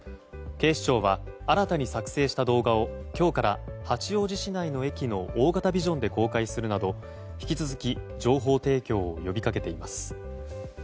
警視庁は新たに作成した動画を今日から八王子市内の駅の大型ビジョンで公開するなど、引き続き情報提供を呼び掛けています。